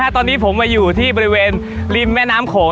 ตอนนี้ผมมาอยู่ที่บริเวณริมแม่น้ำโขง